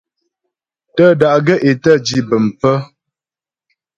Tə́́ da'gaə́ é tə́ dǐ bəm pə̀.